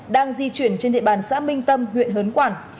đang di chuyển trên địa bàn xã minh tâm huyện hớn quản